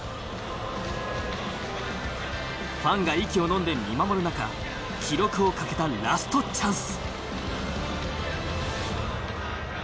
ファンが息をのんで見守る中記録を懸けたラストチャンス。